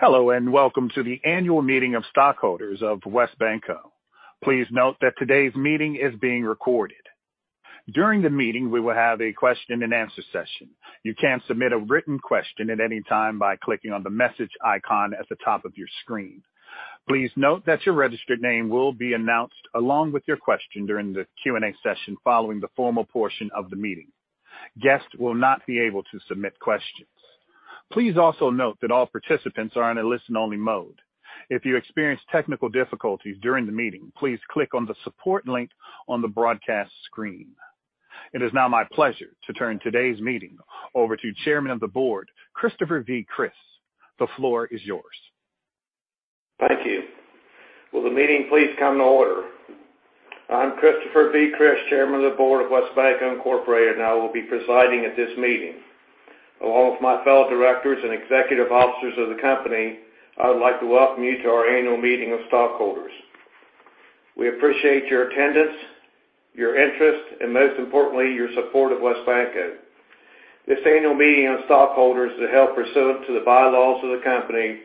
Hello, and welcome to the annual meeting of stockholders of WesBanco. Please note that today's meeting is being recorded. During the meeting, we will have a question-and-answer session. You can submit a written question at any time by clicking on the message icon at the top of your screen. Please note that your registered name will be announced along with your question during the Q&A session following the formal portion of the meeting. Guests will not be able to submit questions. Please also note that all participants are in a listen-only mode. If you experience technical difficulties during the meeting, please click on the support link on the broadcast screen. It is now my pleasure to turn today's meeting over to Chairman of the Board, Christopher V. Criss. The floor is yours. Thank you. Will the meeting please come to order? I'm Christopher V. Criss, Chairman of the Board of WesBanco, Incorporated I will be presiding at this meeting. Along with my fellow directors and executive officers of the company, I would like to welcome you to our annual meeting of stockholders. We appreciate your attendance, your interest, and most importantly, your support of WesBanco. This annual meeting of stockholders is held pursuant to the bylaws of the company,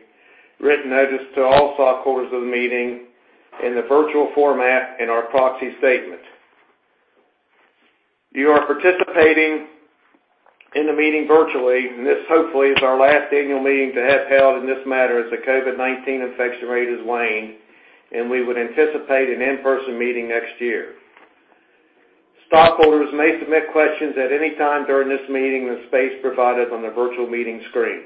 written notice to all stockholders of the meeting in the virtual format in our proxy statement. You are participating in the meeting virtually. This hopefully is our last annual meeting to have held in this manner as the COVID-19 infection rate has waned. We would anticipate an in-person meeting next year. Stockholders may submit questions at any time during this meeting in the space provided on the virtual meeting screen.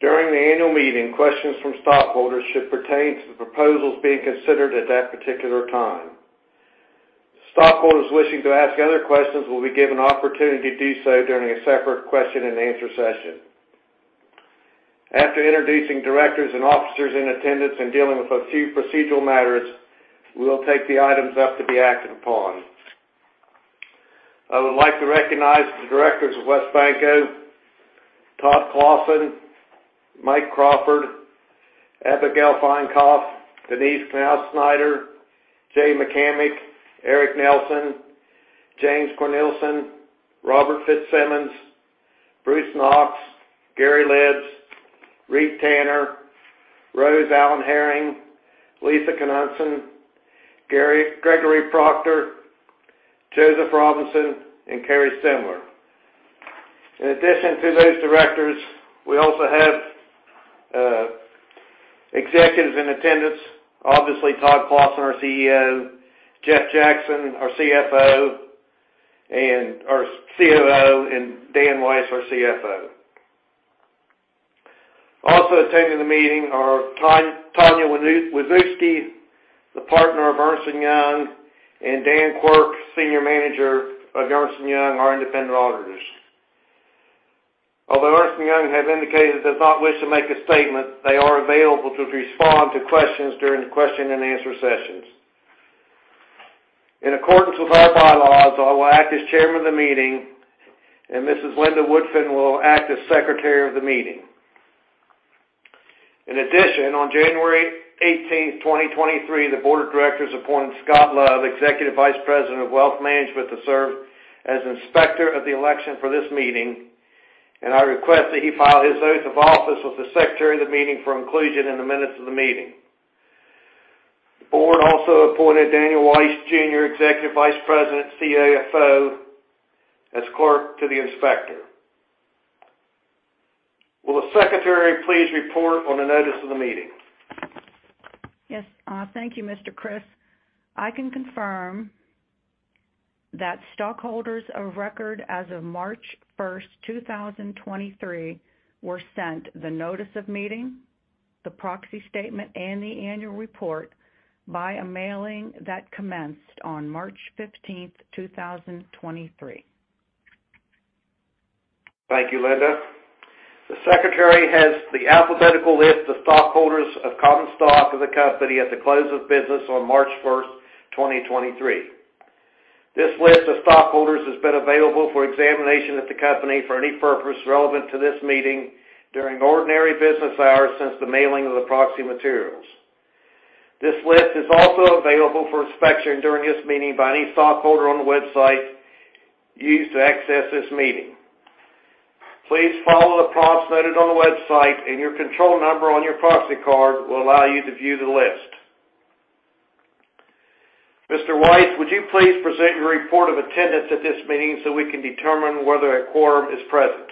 During the annual meeting, questions from stockholders should pertain to the proposals being considered at that particular time. Stockholders wishing to ask other questions will be given opportunity to do so during a separate question-and-answer session. After introducing directors and officers in attendance and dealing with a few procedural matters, we will take the items up to be acted upon. I would like to recognize the directors of WesBanco, Todd Clossin, Mike Crawford, Abigail Feinknopf, Denise Knouse-Snyder, Jay McCamic, Eric Nelson, James Cornelsen, Robert Fitzsimmons, Bruce Knox, Gary Libs, Reed Tanner, Rosie Allen-Herring, Lisa Knutson, Gregory Proctor, Joseph Robinson, and Kerry Stemler. In addition to those directors, we also have executives in attendance, obviously, Todd Clossin, our CEO, Jeff Jackson, our COO, and Dan Weiss, our CFO. Also attending the meeting are Tanya Wisniewski, the partner of Ernst & Young, and Dan Quirk, senior manager of Ernst & Young, our independent auditors. Ernst & Young have indicated they do not wish to make a statement, they are available to respond to questions during the question-and-answer sessions. In accordance with our bylaws, I will act as Chairman of the meeting, and Mrs. Linda Woodfin will act as Secretary of the meeting. In addition, on January 18, 2023, the Board of Directors appointed Scott Love, Executive Vice President of Wealth Management, to serve as Inspector of the Election for this meeting, and I request that he file his oath of office with the Secretary of the Meeting for inclusion in the minutes of the meeting. The Board also appointed Daniel Weiss Jr., Executive Vice President and CFO, as Clerk to the Inspector. Will the Secretary please report on the notice of the meeting? Yes. thank you, Mr. Criss. I can confirm that stockholders of record as of March 1st, 2023, were sent the notice of meeting, the proxy statement, and the annual report by a mailing that commenced on March 15, 2023. Thank you, Linda. The Secretary has the alphabetical list of stockholders of common stock of the company at the close of business on March 1, 2023. This list of stockholders has been available for examination at the company for any purpose relevant to this meeting during ordinary business hours since the mailing of the proxy materials. This list is also available for inspection during this meeting by any stockholder on the website used to access this meeting. Please follow the prompts noted on the website, and your control number on your proxy card will allow you to view the list. Mr. Weiss, would you please present your report of attendance at this meeting so we can determine whether a quorum is present?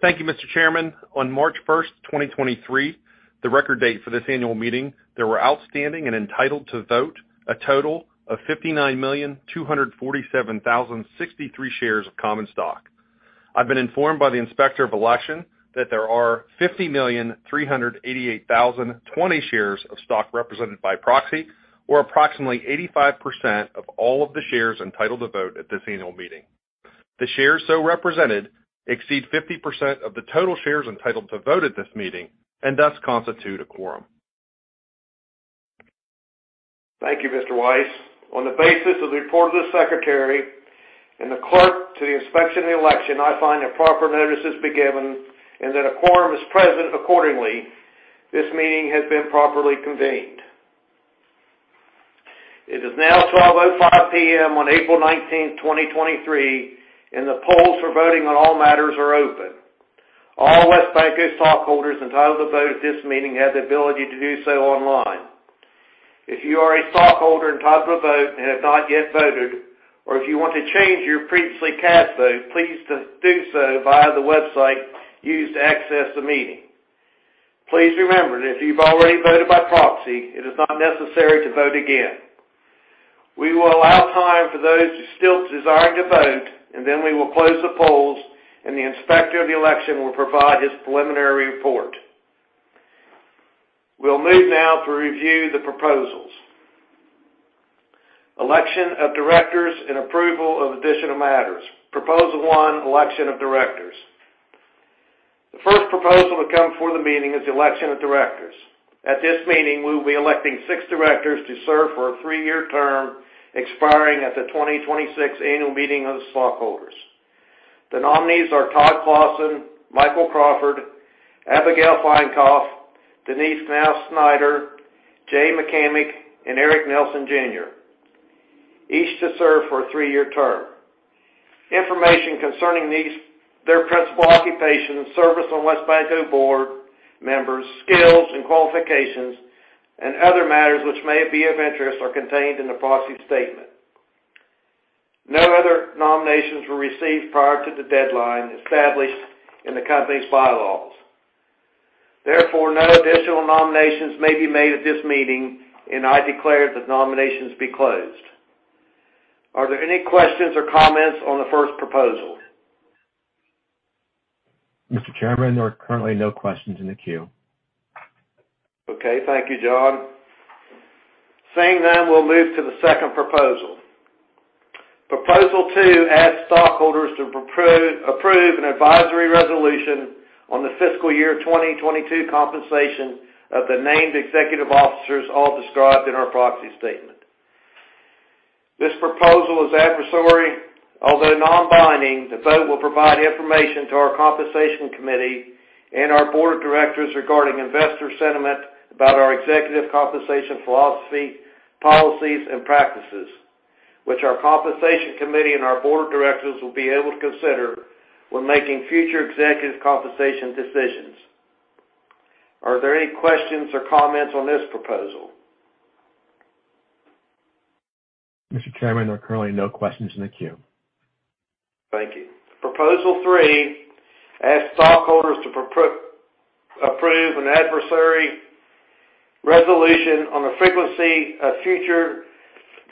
Thank you, Mr. Chairman. On March 1st, 2023, the record date for this annual meeting, there were outstanding and entitled to vote a total of 59,247,063 shares of common stock. I've been informed by the Inspector of Election that there are 50,388,020 shares of stock represented by proxy, or approximately 85% of all of the shares entitled to vote at this annual meeting. The shares so represented exceed 50% of the total shares entitled to vote at this meeting and thus constitute a quorum. Thank you, Mr. Weiss. On the basis of the report of the Secretary and the Clerk to the Inspection of the Election, I find that proper notice has been given and that a quorum is present accordingly. This meeting has been properly convened. It is now 12:05 P.M. on April 19th, 2023, and the polls for voting on all matters are open. All WesBanco stockholders entitled to vote at this meeting have the ability to do so online. If you are a stockholder entitled to vote and have not yet voted, or if you want to change your previously cast vote, please do so via the website used to access the meeting. Please remember that if you've already voted by proxy, it is not necessary to vote again. We will allow time for those who still desiring to vote, then we will close the polls, and the Inspector of Election will provide his preliminary report. We'll move now to review the proposals. Election of directors and approval of additional matters. Proposal 1, election of directors. The first proposal to come before the meeting is the election of directors. At this meeting, we will be electing six directors to serve for a three-year term expiring at the 2026 annual meeting of the stockholders. The nominees are Todd Clossin, Michael Crawford, Abigail Feinknopf, Denise Knouse-Snyder, Jay McCamic, and Eric Nelson, Jr. Each to serve for a three-year term. Information concerning these, their principal occupations, service on WesBanco board members, skills and qualifications, and other matters which may be of interest, are contained in the proxy statement. No other nominations were received prior to the deadline established in the company's bylaws. No additional nominations may be made at this meeting. I declare that nominations be closed. Are there any questions or comments on the first proposal? Mr. Chairman, there are currently no questions in the queue. Okay. Thank you, John. Seeing none, we'll move to the second proposal. Proposal 2 asks stockholders to approve an advisory resolution on the fiscal year 2022 compensation of the named executive officers, all described in our proxy statement. This proposal is advisory. Although non-binding, the vote will provide information to our Compensation Committee and our Board of Directors regarding investor sentiment about our executive compensation philosophy, policies, and practices, which our Compensation Committee and our Board of Directors will be able to consider when making future executive compensation decisions. Are there any questions or comments on this proposal? Mr. Chairman, there are currently no questions in the queue. Thank you. Proposal 3 asks stockholders to approve an advisory resolution on the frequency of future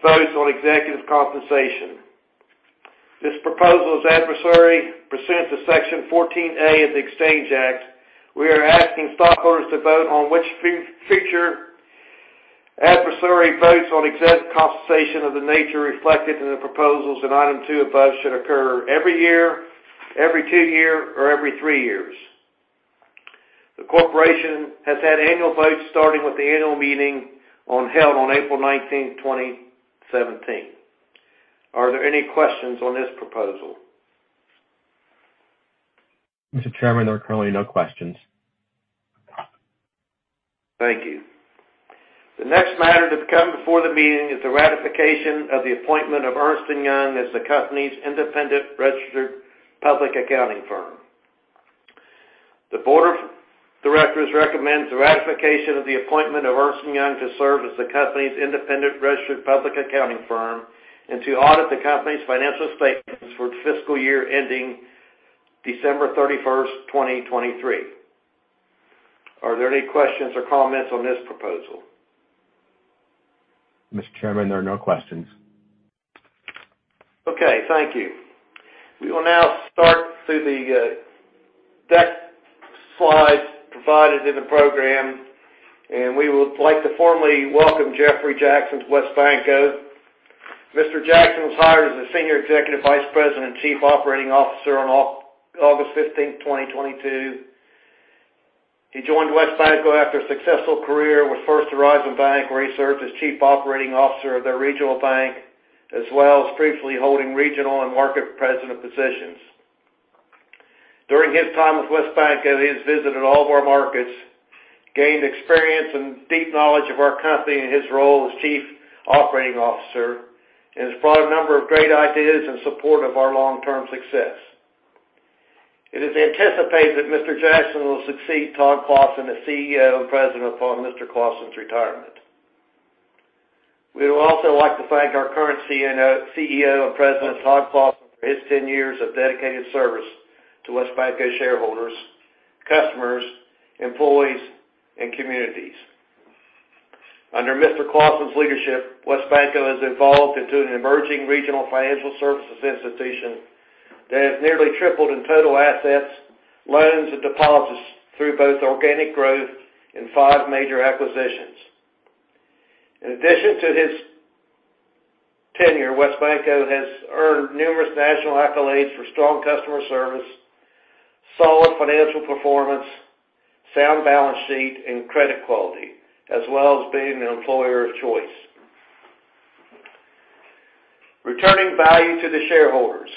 votes on executive compensation. This proposal is advisory pursuant to Section 14A of the Exchange Act. We are asking stockholders to vote on which future advisory votes on executive compensation of the nature reflected in the proposals in item two above should occur every year, every two year, or every three years. The corporation has had annual votes starting with the annual meeting held on April 19th, 2017. Are there any questions on this proposal? Mr. Chairman, there are currently no questions. Thank you. The next matter to come before the meeting is the ratification of the appointment of Ernst & Young as the company's independent registered public accounting firm. The Board of Directors recommend the ratification of the appointment of Ernst & Young to serve as the company's independent registered public accounting firm and to audit the company's financial statements for the fiscal year ending December 31, 2023. Are there any questions or comments on this proposal? Mr. Chairman, there are no questions. Okay. Thank you. We will now start through the deck slides provided in the program. We would like to formally welcome Jeffrey Jackson to WesBanco. Mr. Jackson was hired as the Senior Executive Vice President and Chief Operating Officer on August 15, 2022. He joined WesBanco after a successful career with First Horizon Bank, where he served as Chief Operating Officer of their regional bank, as well as previously holding regional and market president positions. During his time with WesBanco, he has visited all of our markets, gained experience and deep knowledge of our company in his role as Chief Operating Officer, and has brought a number of great ideas in support of our long-term success. It is anticipated that Mr. Jackson will succeed Todd Clossin as CEO and President upon Mr. Clossin's retirement. We would also like to thank our current CEO and President, Todd Clossin, for his 10 years of dedicated service to WesBanco shareholders, customers, employees, and communities. Under Mr. Clossin's leadership, WesBanco has evolved into an emerging regional financial services institution that has nearly tripled in total assets, loans, and deposits through both organic growth and five major acquisitions. In addition to his tenure, WesBanco has earned numerous national accolades for strong customer service, solid financial performance, sound balance sheet, and credit quality, as well as being an employer of choice. Returning value to the shareholders.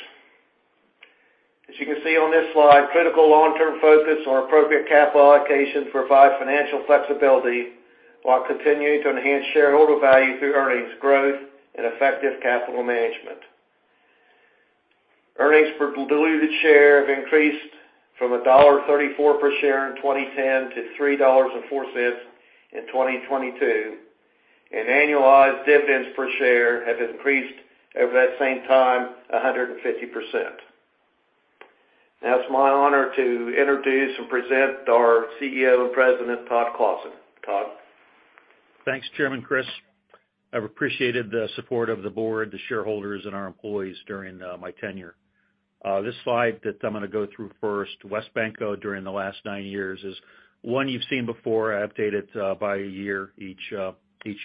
As you can see on this slide, critical long-term focus on appropriate capital allocation to provide financial flexibility while continuing to enhance shareholder value through earnings growth and effective capital management. Earnings per diluted share have increased from $1.34 per share in 2010 to $3.04 in 2022. Annualized dividends per share have increased over that same time, 150%. Now it's my honor to introduce and present our CEO and President, Todd Clossin. Todd? Thanks, Chairman Criss. I've appreciated the support of the board, the shareholders, and our employees during my tenure. This slide that I'm gonna go through first, WesBanco during the last nine years is one you've seen before. I update it by a year each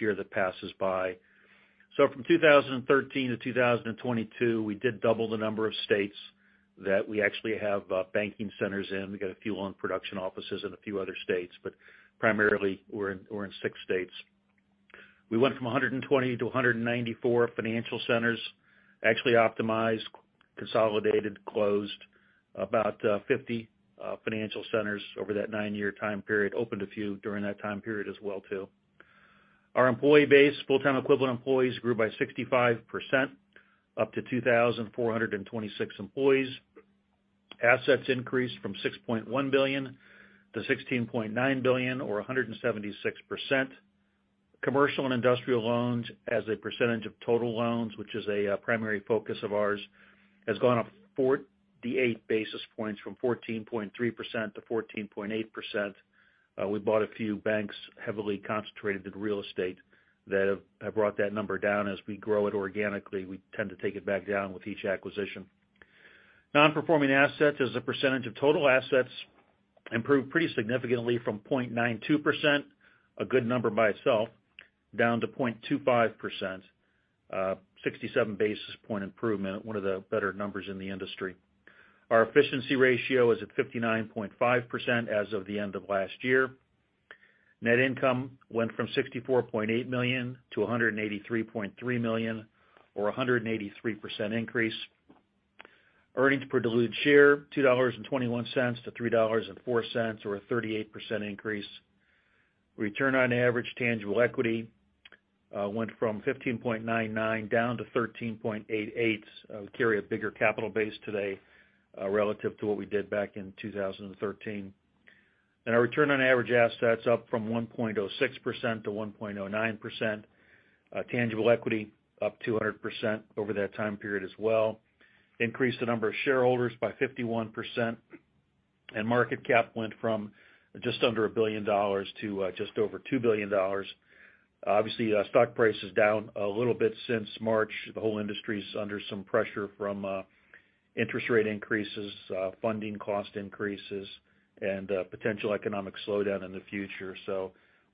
year that passes by. From 2013 to 2022, we did double the number of states that we actually have banking centers in. We got a few loan production offices in a few other states, but primarily, we're in six states. We went from 120 to 194 financial centers. Actually optimized, consolidated, closed about 50 financial centers over that nine-year time period. Opened a few during that time period as well too. Our employee base, full-time equivalent employees, grew by 65% up to 2,426 employees. Assets increased from $6.1 billion to $16.9 billion or 176%. Commercial and industrial loans as a percentage of total loans, which is a primary focus of ours, has gone up 48 basis points from 14.3% to 14.8%. We bought a few banks heavily concentrated in real estate that have brought that number down. As we grow it organically, we tend to take it back down with each acquisition. Non-performing assets as a percentage of total assets improved pretty significantly from 0.92%, a good number by itself, down to 0.25%, 67 basis point improvement, one of the better numbers in the industry. Our efficiency ratio is at 59.5% as of the end of last year. Net income went from $64.8 million to $183.3 million or a 183% increase. Earnings per diluted share, $2.21 to $3.04 or a 38% increase. Return on average tangible equity went from 15.99% down to 13.88%. We carry a bigger capital base today relative to what we did back in 2013. Our return on average assets up from 1.06% to 1.09%. Tangible equity up 200% over that time period as well. Increased the number of shareholders by 51%. Market cap went from just under $1 billion to just over $2 billion. Obviously, our stock price is down a little bit since March. The whole industry's under some pressure from interest rate increases, funding cost increases, and potential economic slowdown in the future.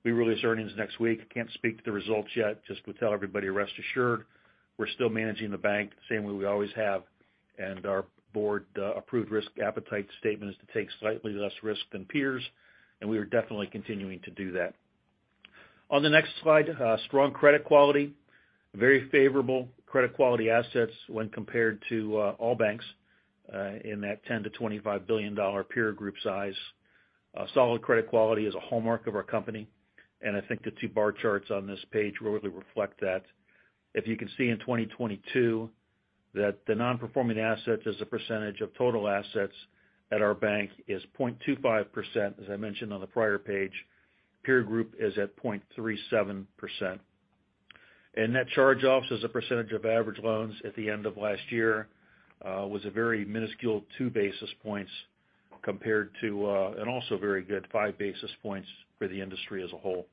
We release earnings next week. Can't speak to the results yet, just to tell everybody, rest assured, we're still managing the bank the same way we always have, and our Board approved risk appetite statement is to take slightly less risk than peers, and we are definitely continuing to do that. On the next slide, strong credit quality. Very favorable credit quality assets when compared to all banks in that $10 billion-$25 billion peer group size. Solid credit quality is a hallmark of our company. I think the two bar charts on this page really reflect that. If you can see in 2022, that the non-performing assets as a percentage of total assets at our bank is 0.25%, as I mentioned on the prior page. Peer group is at 0.37%. Net charge-offs as a percentage of average loans at the end of last year was a very minuscule 2 basis points compared to and also very good 5 basis points for the industry as a whole.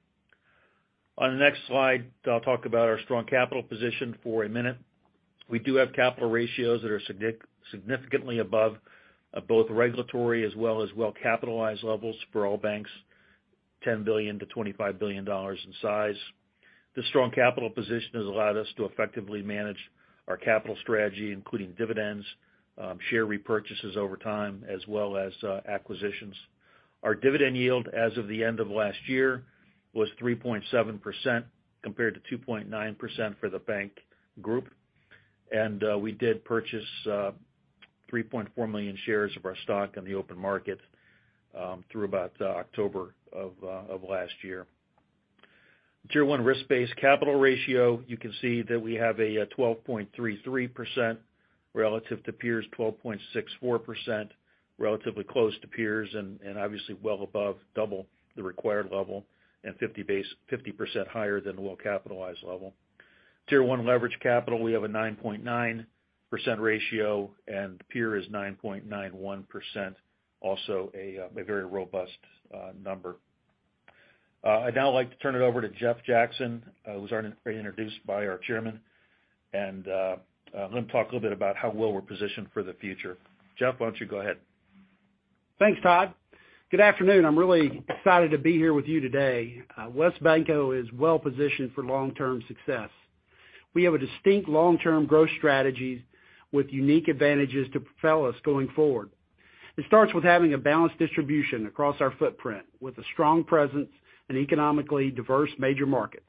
On the next slide, I'll talk about our strong capital position for a minute. We do have capital ratios that are significantly above both regulatory as well as well-capitalized levels for all banks, $10 billion-$25 billion in size. The strong capital position has allowed us to effectively manage our capital strategy, including dividends, share repurchases over time as well as acquisitions. Our dividend yield as of the end of last year was 3.7% compared to 2.9% for the bank group. We did purchase 3.4 million shares of our stock in the open market through about October of last year. Tier 1 risk-based capital ratio, you can see that we have a 12.33% relative to peers, 12.64%. Relatively close to peers and obviously, well above double the required level and 50% higher than the well-capitalized level. Tier 1 leverage capital, we have a 9.9% ratio. The peer is 9.91%, also a very robust number. I'd now like to turn it over to Jeff Jackson, who was introduced by our Chairman, let him talk a little bit about how well we're positioned for the future. Jeff, why don't you go ahead? Thanks, Todd. Good afternoon. I'm really excited to be here with you today. WesBanco is well-positioned for long-term success. We have a distinct long-term growth strategy with unique advantages to propel us going forward. It starts with having a balanced distribution across our footprint, with a strong presence in economically diverse major markets,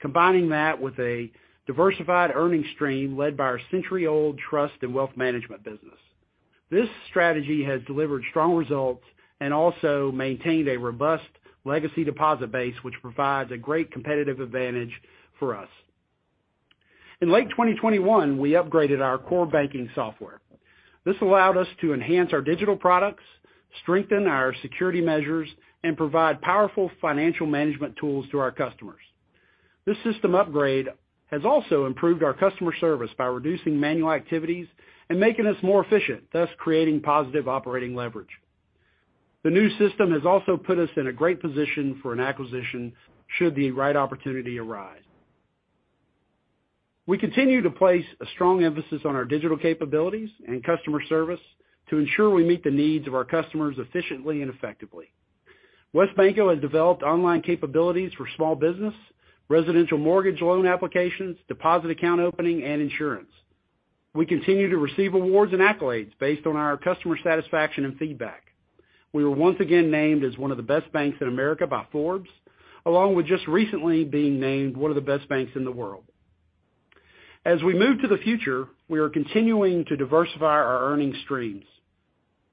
combining that with a diversified earnings stream led by our century-old trust and wealth management business. This strategy has delivered strong results and also maintained a robust legacy deposit base, which provides a great competitive advantage for us. In late 2021, we upgraded our core banking software. This allowed us to enhance our digital products, strengthen our security measures, and provide powerful financial management tools to our customers. This system upgrade has also improved our customer service by reducing manual activities and making us more efficient, thus creating positive operating leverage. The new system has also put us in a great position for an acquisition should the right opportunity arise. We continue to place a strong emphasis on our digital capabilities and customer service to ensure we meet the needs of our customers efficiently and effectively. WesBanco has developed online capabilities for small business, residential mortgage loan applications, deposit account opening, and insurance. We continue to receive awards and accolades based on our customer satisfaction and feedback. We were once again named as one of the Best Banks in America by Forbes, along with just recently being named one of the best banks in the world. As we move to the future, we are continuing to diversify our earnings streams.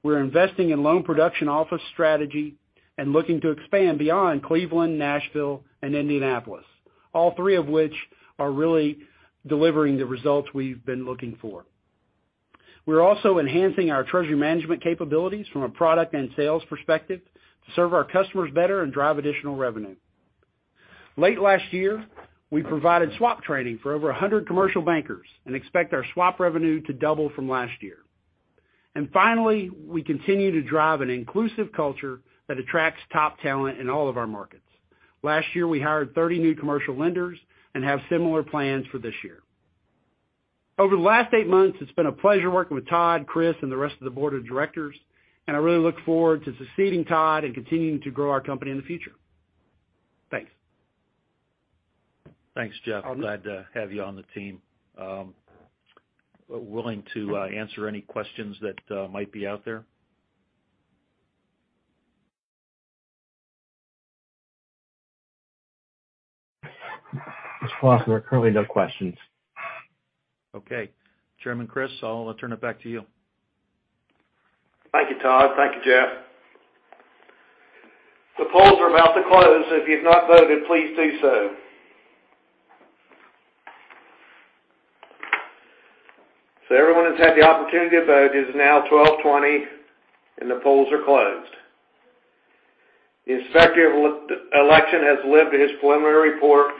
We're investing in loan production office strategy and looking to expand beyond Cleveland, Nashville, and Indianapolis, all three of which are really delivering the results we've been looking for. We're also enhancing our treasury management capabilities from a product and sales perspective to serve our customers better and drive additional revenue. Late last year, we provided swap training for over 100 commercial bankers and expect our swap revenue to double from last year. Finally, we continue to drive an inclusive culture that attracts top talent in all of our markets. Last year, we hired 30 new commercial lenders and have similar plans for this year. Over the last eight months, it's been a pleasure working with Todd, Chris, and the rest of the Board of Directors, I really look forward to succeeding Todd and continuing to grow our company in the future. Thanks. Thanks, Jeff. Glad to have you on the team. Willing to answer any questions that might be out there. Mr. Clossin, there are currently no questions. Okay. Chairman Chriss, I'll turn it back to you. Thank you, Todd. Thank you, Jeff. The polls are about to close. If you've not voted, please do so. Everyone has had the opportunity to vote. It is now 12:20 P.M., and the polls are closed. The Inspector of Election has delivered his preliminary report.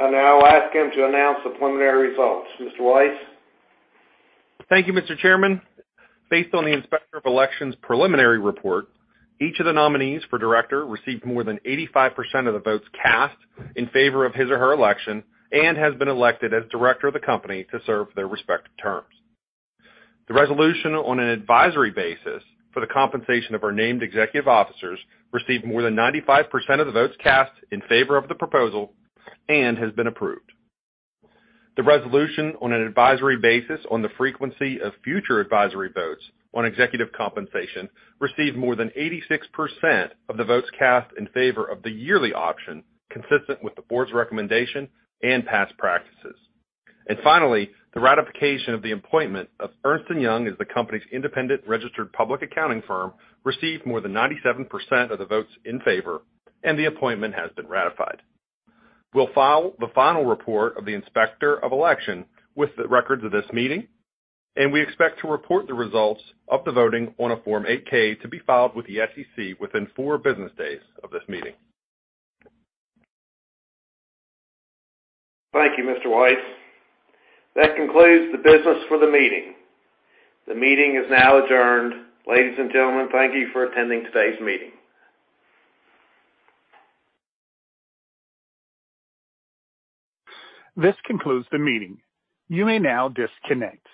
I now ask him to announce the preliminary results. Mr. Weiss? Thank you, Mr. Chairman. Based on the Inspector of Election's preliminary report, each of the nominees for director received more than 85% of the votes cast in favor of his or her election and has been elected as director of the company to serve their respective terms. The resolution on an advisory basis for the compensation of our named executive officers received more than 95% of the votes cast in favor of the proposal and has been approved. The resolution on an advisory basis on the frequency of future advisory votes on executive compensation received more than 86% of the votes cast in favor of the yearly option, consistent with the Board's recommendation and past practices. Finally, the ratification of the appointment of Ernst & Young as the company's independent registered public accounting firm received more than 97% of the votes in favor, and the appointment has been ratified. We'll file the final report of the Inspector of Election with the records of this meeting, and we expect to report the results of the voting on a Form 8-K to be filed with the SEC within 4 business days of this meeting. Thank you, Mr. Weiss. That concludes the business for the meeting. The meeting is now adjourned. Ladies and gentlemen, thank you for attending today's meeting. This concludes the meeting. You may now disconnect.